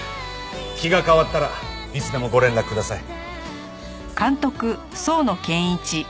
気が変わったらいつでもご連絡ください。